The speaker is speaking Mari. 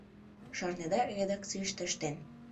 Шарнеда, редакцийыште ыштен.